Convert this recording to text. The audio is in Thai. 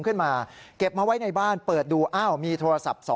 ขึ้นมาเก็บมาไว้ในบ้านเปิดดูอ้าวมีโทรศัพท์๒